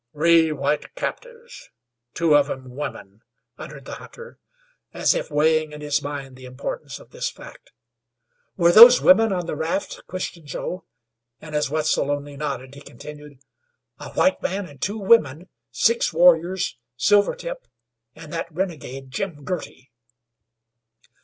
"Three white captives, two of 'em women," uttered the hunter, as if weighing in his mind the importance of this fact. "Were those women on the raft?" questioned Joe, and as Wetzel only nodded, he continued, "A white man and two women, six warriors, Silvertip, and that renegade, Jim Girty!"